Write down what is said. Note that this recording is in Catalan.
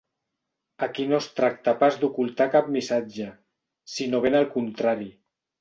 Aquí no es tracta pas d'ocultar cap missatge, sinó ben al contrari.